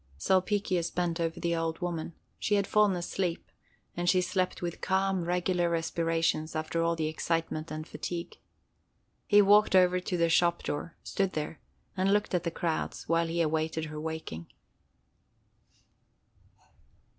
Sulpicius bent over the old woman. She had fallen asleep, and she slept with calm, regular respirations after all the excitement and fatigue. He walked over to the shop door, stood there, and looked at the crowds while he awaited her waking.